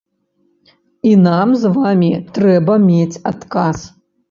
І нам з вамі трэба мець адказ.